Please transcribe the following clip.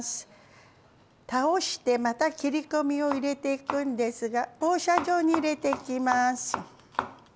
倒してまた切り込みを入れていくんですが放射状に入れていきます。